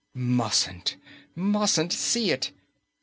_Mustn't, mustn't see it.